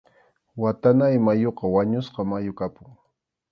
Watanáy mayuqa wañusqa mayu kapun.